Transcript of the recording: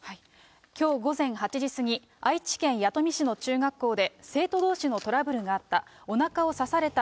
きょう午前８時過ぎ、愛知県弥富市の中学校で生徒どうしのトラブルがあった。